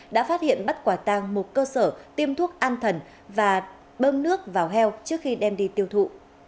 đã phát hiện bắt quả tàng một cơ sở tiêm thuốc an thần và bơm nước vào heo trước khi đem đi tiêu thụ